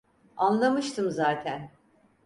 Anlamıştım zaten.